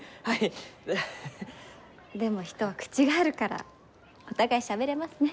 でも人は口があるからお互い、しゃべれますね。